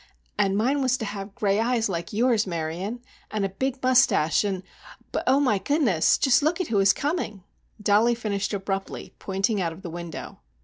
"And mine was to have gray eyes; like yours, Marion; and a big mustache, and—but, oh, my goodness! Just look at who is coming!" Dollie finished abruptly, pointing out of the window.